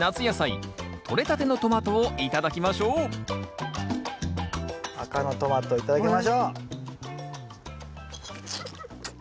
とれたてのトマトを頂きましょう赤のトマト頂きましょう。